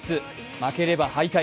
負ければ敗退。